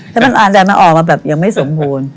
แต่มันอาจจะมาออกมาแบบยังไม่สมบูรณ์